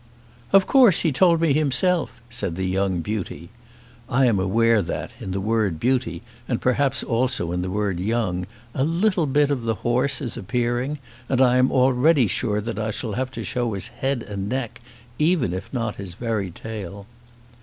"Of course he told me himself," said the young beauty. I am aware that, in the word beauty, and perhaps, also, in the word young, a little bit of the horse is appearing; and I am already sure that I shall have to show his head and neck, even if not his very tail.